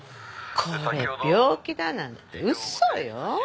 これ病気だなんて嘘よ。